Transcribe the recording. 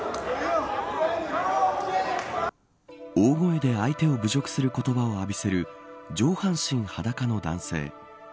大声で相手を侮辱する言葉を浴びせる上半身裸の男性。